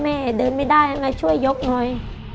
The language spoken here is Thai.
แม่เดินไม่ได้ยังไงช่วยยกหน่อย